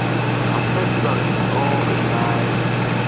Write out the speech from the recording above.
A festival is organized in the full moon of Baisakh in the temple.